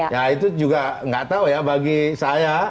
ya itu juga nggak tahu ya bagi saya